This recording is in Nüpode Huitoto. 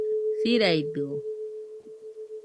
Siraidɨo